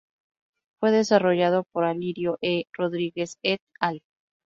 Fue desarrollado por Alirio E. Rodrigues "et al.".